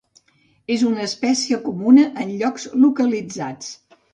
És una espècie comuna en llocs localitzats.